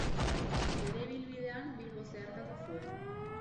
Bere ibilbidean Bilbo zeharkatu zuen.